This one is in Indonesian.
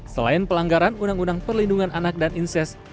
selain pelanggaran undang undang perlindungan anak dan inses